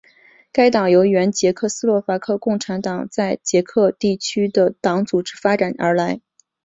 该党由原捷克斯洛伐克共产党在捷克地区的党组织发展而来。